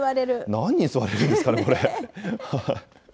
何人座れるんですかね、これ。